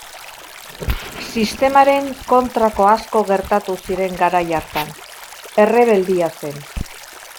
Sistemaren kontrako asko gertatu ziren garai hartan, errebeldia zen.